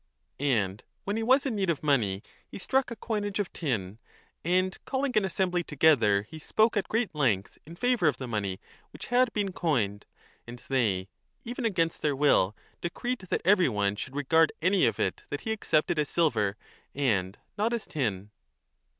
And when he was in need of money he struck a coinage of tin, and calling an assembly together he spoke at great I 3 49 ft OECONOMICA 35 length in favour of the money which had been coined ; and they, even against their will, decreed that every one 1 should regard any of it that he accepted as silver and not as tin.